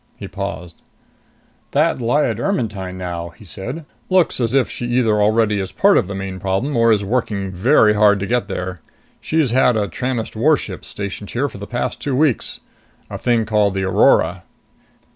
He paused. "That Lyad Ermetyne now," he said, "looks as if she either already is part of the main problem or is working very hard to get there. She's had a Tranest warship stationed here for the past two weeks. A thing called the Aurora."